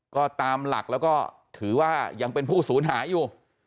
ก็ตามหลักแล้วก็ถือว่ายังเป็นผู้สูญหายอยู่